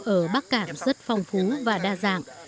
ở bắc cản rất phong phú và đa dạng